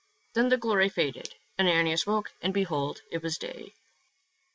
Then the glory faded, Ananias awoke, and behold, it was day.